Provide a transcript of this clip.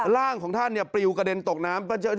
ร่างของท่านปลิวกระเด็นตกน้ำ